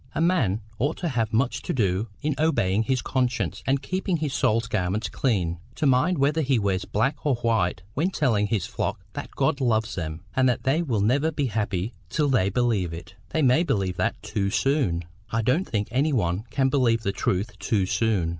A man ought to have too much to do in obeying his conscience and keeping his soul's garments clean, to mind whether he wears black or white when telling his flock that God loves them, and that they will never be happy till they believe it." "They may believe that too soon." "I don't think any one can believe the truth too soon."